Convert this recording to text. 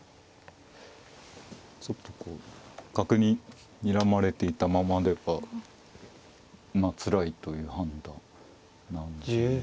ちょっとこう角ににらまれていたままではまあつらいという判断なんでしょうね。